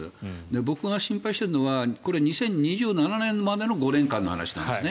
僕が心配しているのは２０２７年までの５年間の話なんですね。